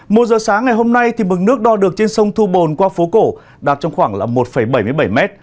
một giờ sáng ngày hôm nay thì mực nước đo được trên sông thu bồn qua phố cổ đạt trong khoảng là một bảy mươi bảy m